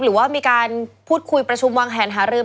หรือมีการพูดคุยกับประชุมวังแห่นหาลืม